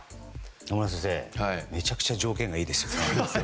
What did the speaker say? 野村先生、めちゃくちゃ条件がいいですね。